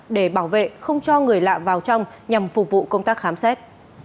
để bảo vệ không cho người lạ vào trong nhằm phục vụ công tác khám xét